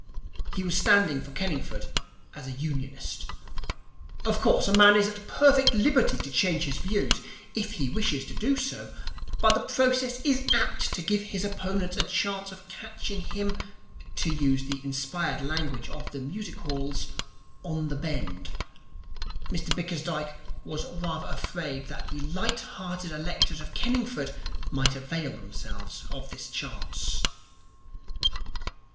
He was standing for Kenningford as a Unionist. Of course, a man is at perfect liberty to change his views, if he wishes to do so, but the process is apt to give his opponents a chance of catching him (to use the inspired language of the music halls) on the bend. Mr Bickersdyke was rather afraid that the light hearted electors of Kenningford might avail themselves of this chance.